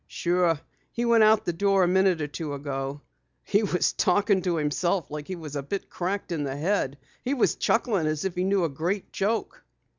"Sure, he went out the door a minute or two ago. He was talking to himself like he was a bit cracked in the head. He was chuckling as if he knew a great joke."